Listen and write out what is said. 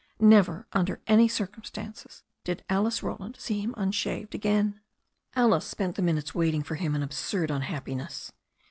Never under any circumstances did Alice Roland see him unshaved again. Alice spent the minutes waiting for him in absurd unhap piness.